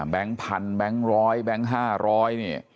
แบงค์พันแบงค์ร้อยแบงค์ห้าร้อย